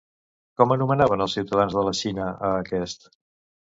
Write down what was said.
Com anomenaven els ciutadans de la Xina a aquest?